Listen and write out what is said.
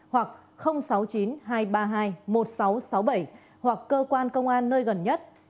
hoặc sáu mươi chín hai trăm ba mươi hai một nghìn sáu trăm sáu mươi bảy hoặc cơ quan công an nơi gần nhất